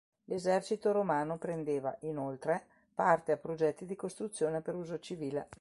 L'esercito romano prendeva, inoltre, parte a progetti di costruzione per uso civile.